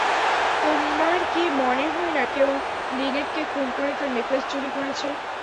তোমার কি মনে হয় না কেউ লিনেটকে খুন করে তার নেকলেস চুরি করেছে?